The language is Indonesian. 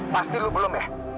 pasti lo belum ya